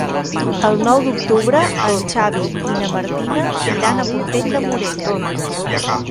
El nou d'octubre en Xavi i na Martina iran a Portell de Morella.